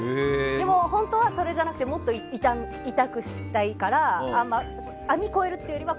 でも、本当はそうじゃなくてもっと痛くしたいから網を越えるというよりは。